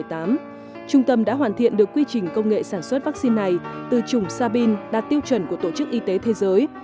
trung tâm đã hoàn thiện được quy trình công nghệ sản xuất vaccine này từ chủng sabin đạt tiêu chuẩn của tổ chức y tế thế giới